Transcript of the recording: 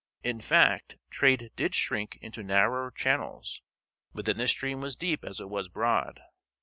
In fact, trade did shrink into narrower channels; but then the stream was deep as it was broad.